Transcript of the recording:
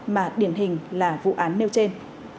mà điển hình là vụ án nêu trên